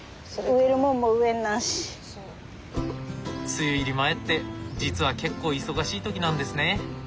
梅雨入り前って実は結構忙しい時なんですね。